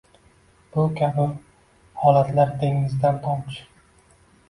Bu kabi holatlar dengizdan tomchi